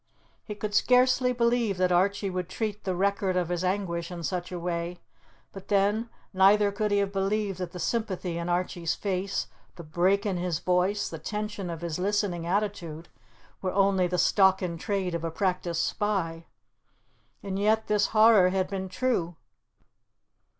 He could scarcely believe that Archie would treat the record of his anguish in such a way; but then, neither could he have believed that the sympathy in Archie's face, the break in his voice, the tension of his listening attitude, were only the stock in trade of a practised spy. And yet this horror had been true.